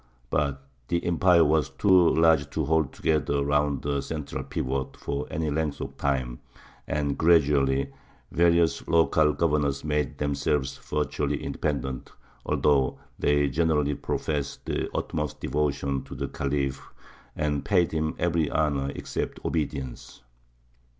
But the empire was too large to hold together round a central pivot for any length of time, and gradually various local governors made themselves virtually independent, although they generally professed the utmost devotion to the Khalif and paid him every honour except obedience.